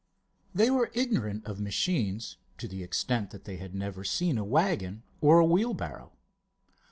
They were ignorant of machines to the extent that they had never seen a waggon or a wheelbarrow.